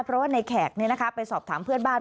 เพราะว่าในแขกไปสอบถามเพื่อนบ้าน